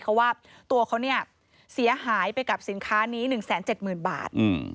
เขาว่าตัวเขาเสียหายไปกับสินค้านี้๑๗๐๐๐๐๐บาท